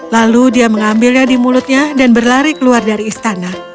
lalu dia mengambilnya di mulutnya dan berlari keluar dari istana